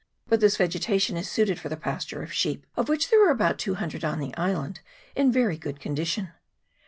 But this vegetation is suited for the pasture of sheep, of which there are about 200 on the island, in very good condition.